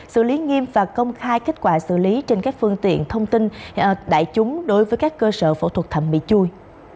xử lý nghiêm và công khai kết quả xử lý trên các phương tiện thông tin đại chúng đối với các cơ sở phẫu thuật thẩm bị chui